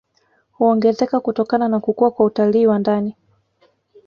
Huongezeka kutokana na kukua kwa utalii wa ndani